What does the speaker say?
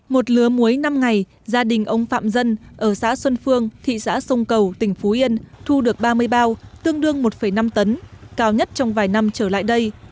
một lứa muối năm ngày gia đình ông phạm dân ở xã xuân phương thị xã sông cầu tỉnh phú yên thu được ba mươi bao tương đương một năm tấn cao nhất trong vài năm trở lại đây